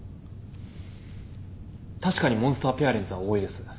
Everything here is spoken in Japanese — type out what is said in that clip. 確かにモンスターペアレンツは多いです。